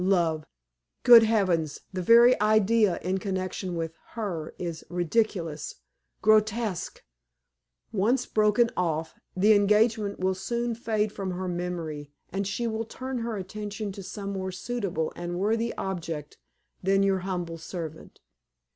Love! Good heavens! the very idea in connection with her is ridiculous, grotesque! Once broken off, the engagement will soon fade from her memory, and she will turn her attention to some more suitable and worthy object than your humble servant.